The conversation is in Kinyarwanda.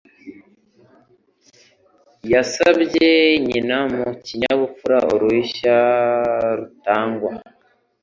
Yasabye nyina mu kinyabupfura uruhushya, rutangwa.